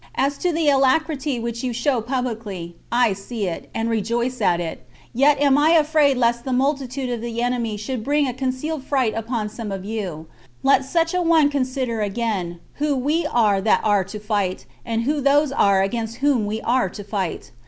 As to the alacrity which you show publicly, I see it, and rejoice at it; yet am I afraid lest the multitude of the enemy should bring a concealed fright upon some of you: let such a one consider again, who we are that are to fight, and who those are against whom we are to fight.